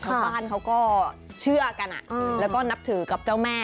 ชาวบ้านเขาก็เชื่อกันแล้วก็นับถือกับเจ้าแม่